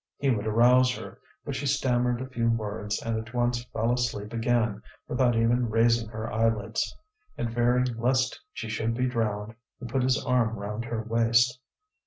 He would arouse her, but she stammered a few words and at once fell asleep again without even raising her eyelids; and fearing lest she should be drowned, he put his arm round her waist.